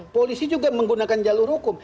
polisi juga menggunakan jalur hukum